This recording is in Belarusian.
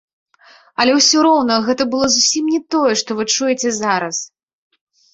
Але ўсё роўна гэта было зусім не тое, што вы чуеце зараз.